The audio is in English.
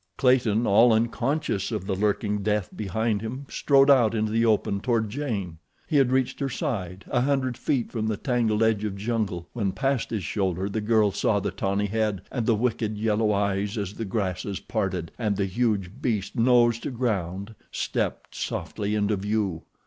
Clayton, all unconscious of the lurking death behind him, strode out into the open toward Jane. He had reached her side, a hundred feet from the tangled edge of jungle when past his shoulder the girl saw the tawny head and the wicked yellow eyes as the grasses parted, and the huge beast, nose to ground, stepped softly into view.